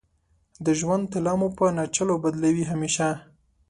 د ژوند طلا مو په ناچلو بدلوې همیشه